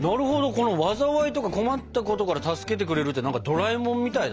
この災いとか困ったことから助けてくれるってドラえもんみたいだね。